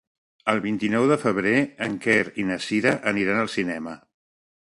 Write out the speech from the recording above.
El vint-i-nou de febrer en Quer i na Cira aniran al cinema.